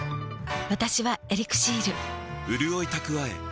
私は「エリクシール」